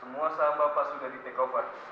semua saham bapak sudah ditekobat